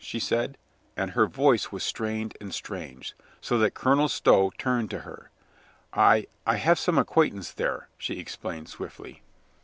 she said, and her voice was strained and strange, so that Colonel Stow turned to her. "I — I have some acquaintance there," she explained swiftly.